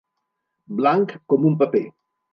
Blanc com un paper.